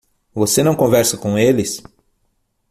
Você não conversa com eles?